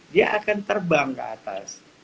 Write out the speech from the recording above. dia akan terbang ke atas